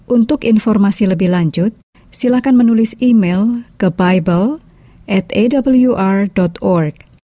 untuk informasi lebih lanjut silahkan menulis email ke bible atawr org